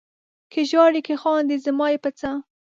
که ژاړې که خاندې زما یې په څه؟